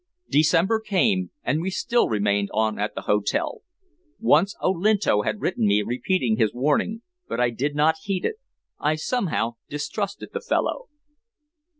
December came, and we still remained on at the hotel. Once Olinto had written me repeating his warning, but I did not heed it. I somehow distrusted the fellow.